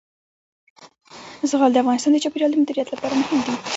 زغال د افغانستان د چاپیریال د مدیریت لپاره مهم دي.